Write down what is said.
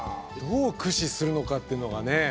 どう駆使するのかっていうのがね。